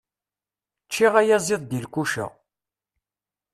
Ččiɣ ayaziḍ di lkuca.